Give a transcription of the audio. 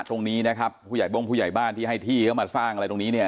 ตรงนี้นะครับผู้ใหญ่บงผู้ใหญ่บ้านที่ให้ที่เขามาสร้างอะไรตรงนี้เนี่ย